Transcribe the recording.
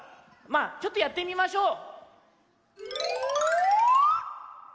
まあちょっとやってみましょう。